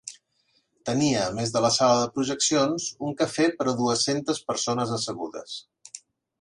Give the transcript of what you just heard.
Tenia a més de la sala de projeccions un cafè per a dues-centes persones assegudes.